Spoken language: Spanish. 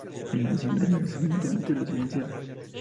El vecindario es eminentemente residencial.